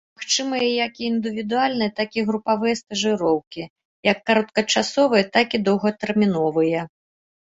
Магчымыя як індывідуальныя, так і групавыя стажыроўкі, як кароткачасовыя, так і доўгатэрміновыя.